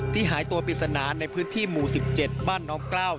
หายตัวปริศนาในพื้นที่หมู่๑๗บ้านน้องกล้าว